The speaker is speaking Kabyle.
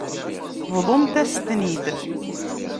Bḍumt-as-ten-id.